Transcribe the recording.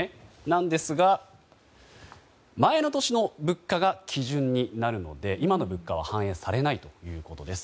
なんですが、前の年の物価が基準になるので今の物価は反映されないということです。